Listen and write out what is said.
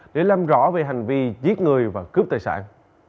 để làm rõ về hành vi giết người và cướp tài sản